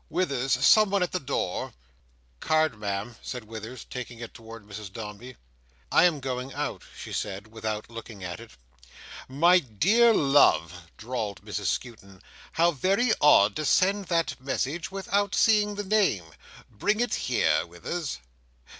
Withers, someone at the door." "Card, Ma'am," said Withers, taking it towards Mrs Dombey. "I am going out," she said without looking at it. "My dear love," drawled Mrs Skewton, "how very odd to send that message without seeing the name! Bring it here, Withers.